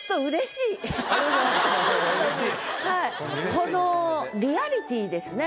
このリアリティーですね。